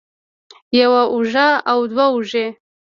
يوه اوږه او دوه اوږې